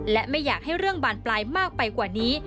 และไม่อยากให้เรื่องบานปลายมากไปกว่านี้